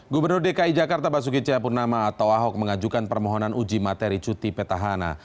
gubernur dki jakarta basuki cahayapurnama atau ahok mengajukan permohonan uji materi cuti petahana